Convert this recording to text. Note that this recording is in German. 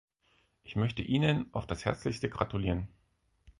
Ich möchte Ihnen auf das Herzlichste gratulieren.